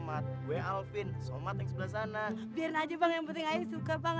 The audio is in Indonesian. aduh gini gini deh